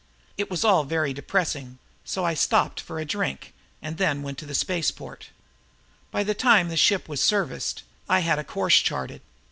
It was all very depressing, so I stopped for a drink, then went on to the spaceport. By the time the ship was serviced, I had a course charted.